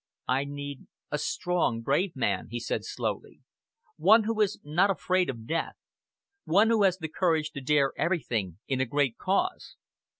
"I need a strong, brave man," he said slowly "one who is not afraid of Death, one who has the courage to dare everything in a great cause!"